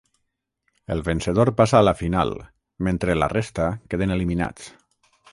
El vencedor passa a la final, mentre la resta queden eliminats.